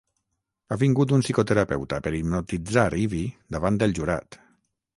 Ha vingut un psicoterapeuta per hipnotitzar Ivy davant del jurat.